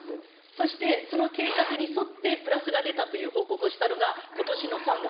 そしてその計画に沿ってプラスが出たという報告をしたのがことしの３月。